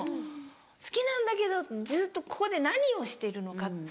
好きなんだけどずっとここで何をしてるのか。